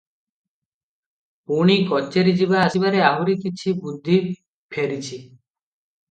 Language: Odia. ପୁଣି କଚେରି ଯିବା ଆସିବାରେ ଆହୁରି କିଛି ବୁଦ୍ଧି ଫେରିଛି ।